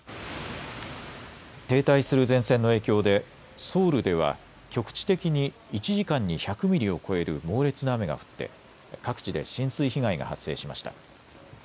停滞する前線の影響でソウルでは局地的に１時間に１００ミリを超える猛烈な雨が降って各地で浸水被害が発生しました。